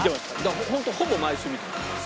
ホントほぼ毎週見てます」